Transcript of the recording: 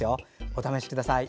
お試しください。